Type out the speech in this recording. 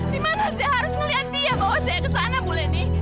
di mana saya harus melihat dia bawa saya ke sana bu laini